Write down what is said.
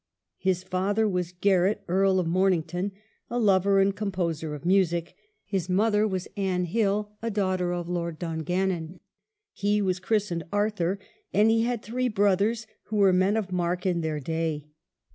His father was Garret, Earl of Mornington, a lover and composer of music ; his mother was Anne Hill, a daughter of Lord Dungannon ; he was christened Arthur, and he had three brothers who were men of mark in their day.